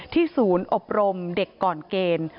ศูนย์อบรมเด็กก่อนเกณฑ์